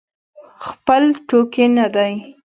خپل ټوکي نه دی.